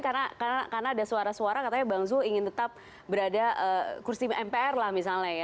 karena ada suara suara katanya bang zul ingin tetap berada kursi mpr lah misalnya ya